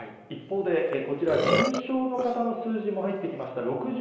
一方で、こちら、重症の方の数字も入ってきました。